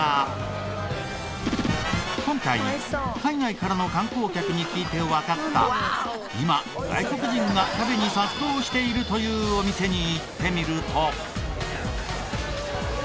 今回海外からの観光客に聞いてわかった今外国人が食べに殺到しているというお店に行ってみると。